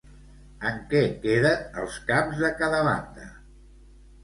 En què queden els caps de cada banda?